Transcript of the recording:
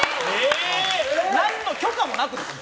何の許可もなくですよ！